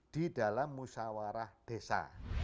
di dalam musawarah desa